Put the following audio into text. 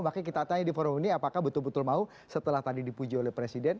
makanya kita tanya di forum ini apakah betul betul mau setelah tadi dipuji oleh presiden